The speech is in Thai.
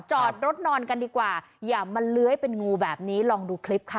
จอดรถนอนกันดีกว่าอย่ามาเลื้อยเป็นงูแบบนี้ลองดูคลิปค่ะ